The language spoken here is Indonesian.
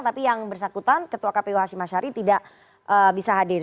tapi yang bersangkutan ketua kpu hashim ashari tidak bisa hadir